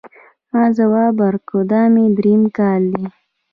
ما ځواب ورکړ، دا مې درېیم کال دی.